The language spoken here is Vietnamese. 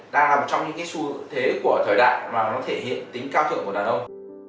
đang là một trong những cái xu thế của thời đại mà nó thể hiện tính cao thượng của đàn ông